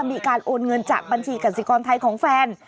มีการโอนเงินจากบัญชีกสิกรไทยของแฟน